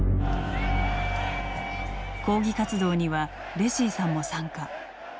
抗議活動にはレシィさんも参加。